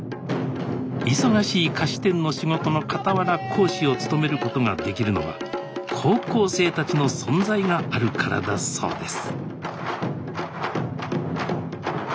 忙しい菓子店の仕事のかたわら講師を務めることができるのは高校生たちの存在があるからだそうです